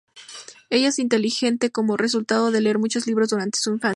Ella es muy inteligente como resultado de leer muchos libros durante su infancia.